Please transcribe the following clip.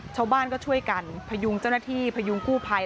ชาวบ้านก็ช่วยกันพยุงเจ้าหน้าที่พยุงกู้ภัย